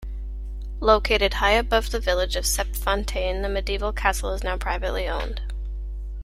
Located high above the village of Septfontaines, the medieval castle is now privately owned.